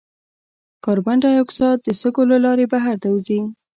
کاربن ډای اکساید د سږو له لارې بهر ته وځي.